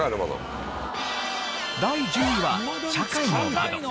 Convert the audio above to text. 第１０位は社会の窓。